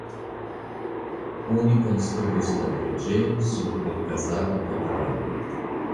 Oni konstruis la preĝejon sur alkazaro de araboj.